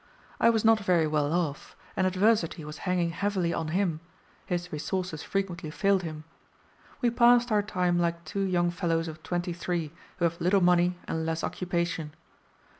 I was not very well off, and adversity was hanging heavily on him; his resources frequently failed him. We passed our time like two young fellows of twenty three who have little money and less occupation.